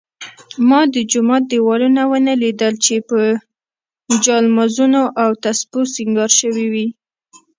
ما د جومات دېوالونه ونه لیدل چې په جالمازونو او تسپو سینګار شوي وي.